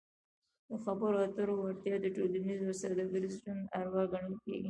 د خبرو اترو وړتیا د ټولنیز او سوداګریز ژوند اروا ګڼل کیږي.